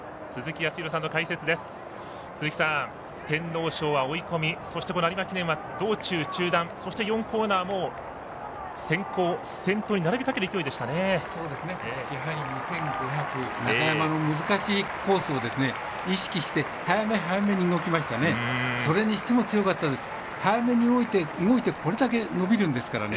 やはり２５００中山の難しいコースを意識して早め早めに動きましたね。